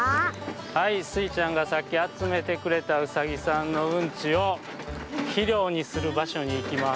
はいスイちゃんがさっきあつめてくれたうさぎさんのうんちをひりょうにするばしょにいきます。